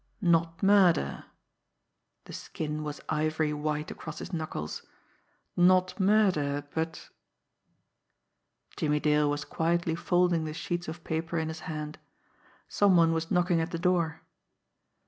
Not murder the skin was ivory white across his knuckles not murder, but Jimmie Dale was quietly folding the sheets of paper in his hand. Some one was knocking at the door.